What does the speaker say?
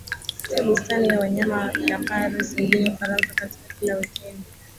katika bustani ya wanyama ya Paris mjini Ufaransa katika kila wikendi